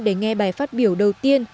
để nghe bài phát biểu đầu tiên